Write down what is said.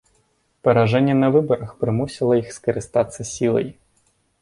Паражэнне на выбарах прымусіла іх скарыстацца сілай.